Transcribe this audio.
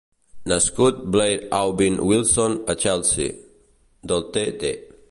Nascut Blair Aubyn Wilson a Chelsea, del Tt.